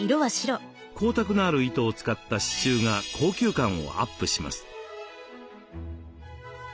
光沢のある糸を使った刺しゅうが高級感をアップします。